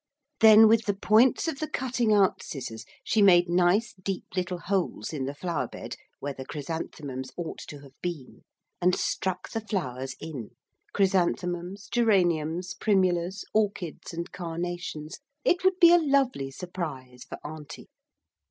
Then with the points of the cutting out scissors she made nice deep little holes in the flower bed where the chrysanthemums ought to have been, and struck the flowers in chrysanthemums, geraniums, primulas, orchids, and carnations. It would be a lovely surprise for Auntie.